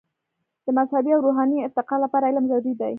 د مذهبي او روحاني ارتقاء لپاره علم ضروري دی.